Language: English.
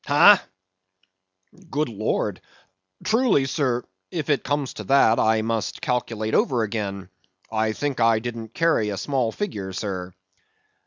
Hah! Good Lord! Truly, sir, if it comes to that, I must calculate over again; I think I didn't carry a small figure, sir.